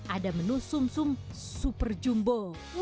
ada menu sum sum super jumbo